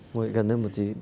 ngồi lại gần lên một tí